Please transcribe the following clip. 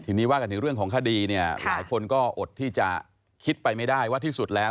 ทีนี้ว่ากันถึงเรื่องของคดีเนี่ยหลายคนก็อดที่จะคิดไปไม่ได้ว่าที่สุดแล้ว